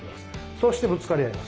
そうしてぶつかり合います。